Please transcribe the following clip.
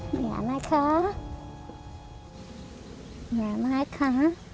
เหมียวไหมคะเหมียวไหมคะ